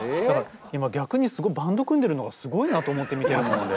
今逆にすごいバンド組んでるのがすごいなと思って見てるもん俺。